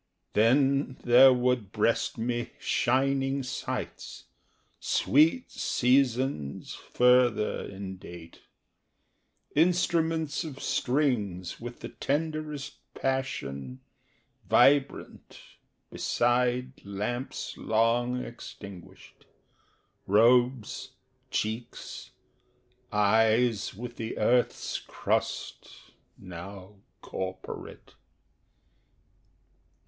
Then there would breast me shining sights, sweet seasons Further in date; Instruments of strings with the tenderest passion Vibrant, beside Lamps long extinguished, robes, cheeks, eyes with the earth's crust Now corporate.